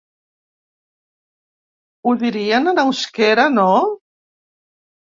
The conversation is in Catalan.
Ho dirien en euskera, no?